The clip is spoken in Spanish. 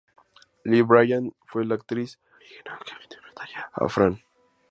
Lee Bryant fue la actriz original que interpretaría a Fran.